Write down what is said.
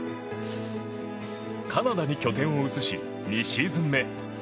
カナダに拠点を移し２シーズン目。